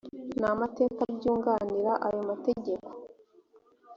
n amateka byunganira ayo mategeko